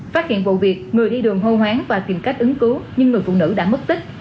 phát hiện vụ việc người đi đường hô hoáng và tìm cách ứng cứu nhưng người phụ nữ đã mất tích